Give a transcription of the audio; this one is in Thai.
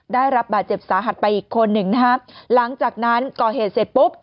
ได้รับบาดเจ็บสาหัสไปอีกคนหนึ่งนะฮะหลังจากนั้นก่อเหตุเสร็จปุ๊บ